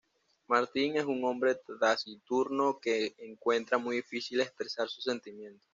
Martin es un hombre taciturno que encuentra muy difícil expresar sus sentimientos.